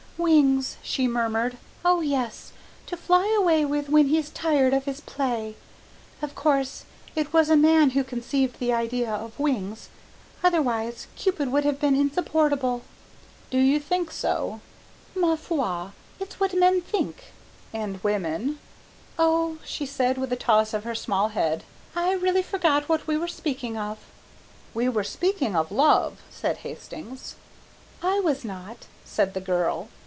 "Wings," she murmured, "oh, yes to fly away with when he's tired of his play. Of course it was a man who conceived the idea of wings, otherwise Cupid would have been insupportable." "Do you think so?" "Ma foi, it's what men think." "And women?" "Oh," she said, with a toss of her small head, "I really forget what we were speaking of." "We were speaking of love," said Hastings. "I was not," said the girl.